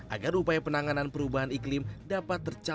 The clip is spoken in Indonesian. agar upaya penanganan perubahan iklim dapat tercapai